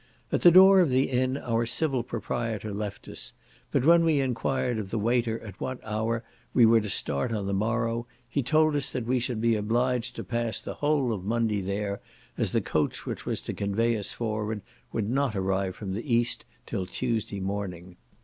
At the door of the inn our civil proprietor left us; but when we enquired of the waiter at what hour we were to start on the morrow, he told us that we should be obliged to pass the whole of Monday there, as the coach which was to convey us forward would not arrive from the east, till Tuesday morning.